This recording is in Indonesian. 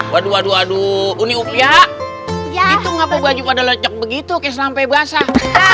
waduh waduh waduh uni upia itu ngapain baju pada lecok begitu keselampe basah